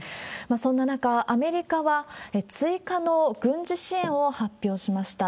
そんな中、アメリカは追加の軍事支援を発表しました。